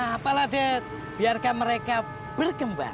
gak apa apalah de biarkan mereka berkembang